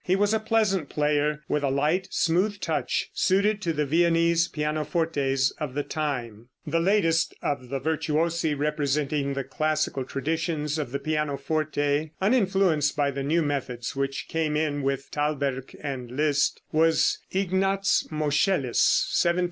He was a pleasant player, with a light, smooth touch, suited to the Viennese pianofortes of the time. [Illustration: Fig. 65. HUMMEL.] The latest of the virtuosi representing the classical traditions of the pianoforte, uninfluenced by the new methods which came in with Thalberg and Liszt, was Ignaz Moscheles (1794 1870).